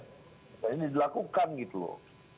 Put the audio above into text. dan ini dilakukan gitu loh